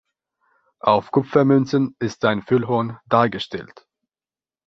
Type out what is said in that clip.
Auf Kupfermünzen ist ein Füllhorn dargestellt.